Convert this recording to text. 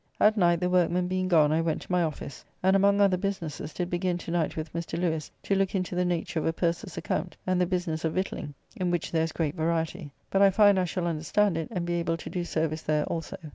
At night, the workmen being gone, I went to my office, and among other businesses did begin to night with Mr. Lewes to look into the nature of a purser's account, and the business of victualling, in which there is great variety; but I find I shall understand it, and be able to do service there also.